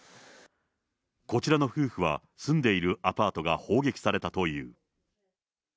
こちらの夫婦は住んでいるアパートが砲撃されたという。